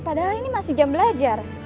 padahal ini masih jam belajar